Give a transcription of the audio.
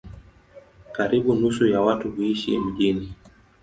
Karibu nusu ya watu huishi mijini.